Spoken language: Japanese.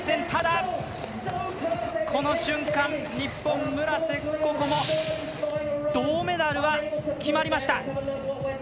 ただ、この瞬間日本、村瀬心椛銅メダルは決まりました。